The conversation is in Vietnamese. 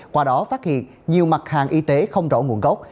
qua đó phát hiện nhiều mặt hàng y tế không rõ nguồn gốc